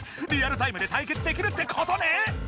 リアルタイムでたいけつできるってことね。